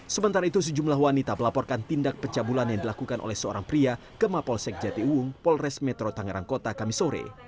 sementara itu sejumlah wanita melaporkan tindak pencabulan yang dilakukan oleh seorang pria ke mapolsek jati uung polres metro tangerang kota kamisore